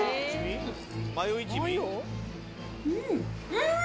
うん！